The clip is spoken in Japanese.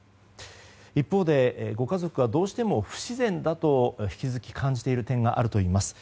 一方で、ご家族はどうしても不自然だと引き続き感じている点があるといいます。